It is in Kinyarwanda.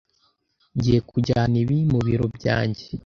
Ngiye kujyana ibi mubiro byanjye.